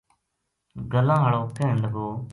گلاں ہاڑو کہن لگو